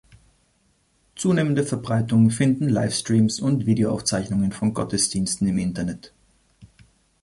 Zunehmende Verbreitung finden Livestreams und Videoaufzeichnungen von Gottesdiensten im Internet.